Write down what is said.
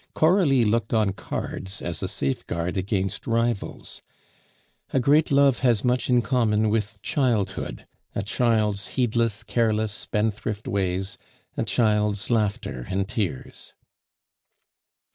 Coralie looked on cards as a safe guard against rivals. A great love has much in common with childhood a child's heedless, careless, spendthrift ways, a child's laughter and tears.